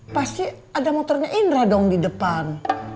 pasti ada motornya indra dong di depan